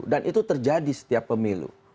itu terjadi setiap pemilu